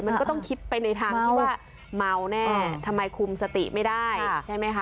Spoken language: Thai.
มันก็ต้องคิดไปในทางที่ว่าเมาแน่ทำไมคุมสติไม่ได้ใช่ไหมคะ